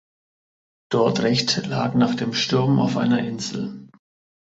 Dordrecht lag nach dem Sturm auf einer Insel.